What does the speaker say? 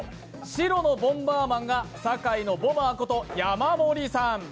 白の「ボンバーマン」が「堺の爆弾魔」こと山盛りさん。